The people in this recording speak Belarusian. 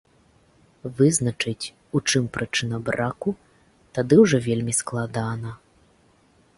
Вызначыць, у чым прычына браку, тады ўжо вельмі складана.